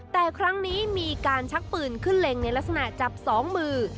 แต่ครั้งนี้มีการชักปืนขึ้นเล็งในลักษณะจับสองมือ